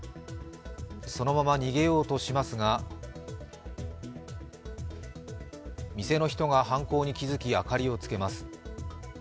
そのまま逃げようとしますが店の人が犯行に気付き、明かりをつけます。